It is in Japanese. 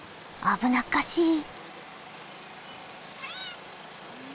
危なっかしい。